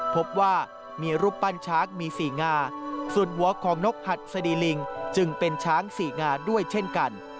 พบว่ามีรูปปั้นช้างมี๔งาส่วนหัวของนกหัดสดีลิงจึงเป็นช้างสี่งาด้วยเช่นกัน